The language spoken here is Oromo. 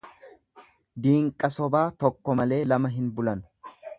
Diinqa sobaa tokko malee lama hin bulan.